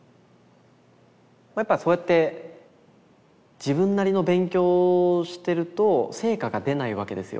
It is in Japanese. やっぱそうやって自分なりの勉強をしてると成果が出ないわけですよ。